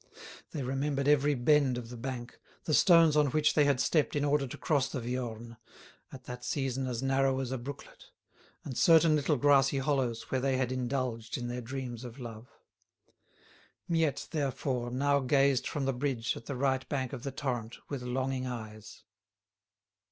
They remembered every bend of the bank, the stones on which they had stepped in order to cross the Viorne, at that season as narrow as a brooklet, and certain little grassy hollows where they had indulged in their dreams of love. Miette, therefore, now gazed from the bridge at the right bank of the torrent with longing eyes.